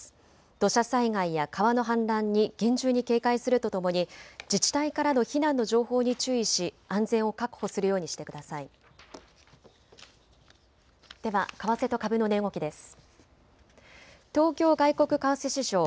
土砂災害や川の氾濫に厳重に警戒するとともに自治体からの避難の情報に注意し安全を確保するようにしてください。では為替と株の値動きです。